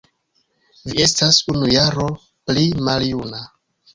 Vi estas unu jaro pli maljuna